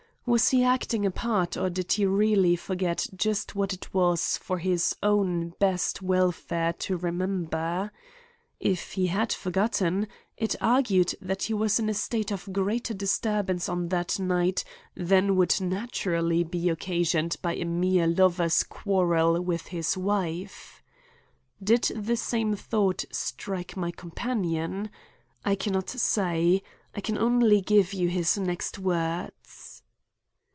Was he acting a part or did he really forget just what it was for his own best welfare to remember? If he had forgotten, it argued that he was in a state of greater disturbance on that night than would naturally be occasioned by a mere lover's quarrel with his wife. Did the same thought strike my companion? I can not say; I can only give you his next words.